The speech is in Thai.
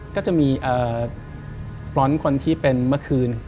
ก็จะมีฟรอนต์คนที่เป็นเมื่อคืน